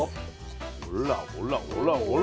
ほらほらほらほら。